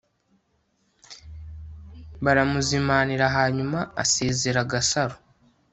baramuzimanira hanyuma asezera gasaro